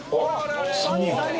３人。